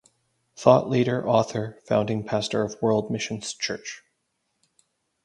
Thought Leader, Author, Founding Pastor of World Missions Church.